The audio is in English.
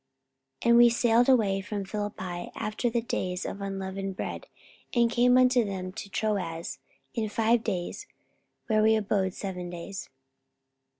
44:020:006 And we sailed away from Philippi after the days of unleavened bread, and came unto them to Troas in five days; where we abode seven days.